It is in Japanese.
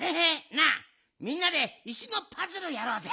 なあみんなで石のパズルやろうぜ！